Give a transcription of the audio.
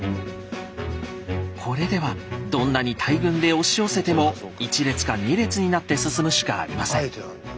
これではどんなに大軍で押し寄せても一列か二列になって進むしかありません。